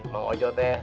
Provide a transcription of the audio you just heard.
bang ojo teh